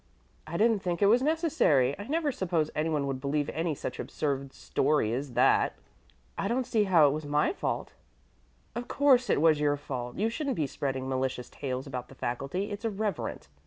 "I didn't think it was necessary. I never supposed any one would believe any such absurd story as that." "I don't see how it was my fault." "Of course it was your fault. You shouldn't be spreading malicious tales about the faculty; it's irreverent.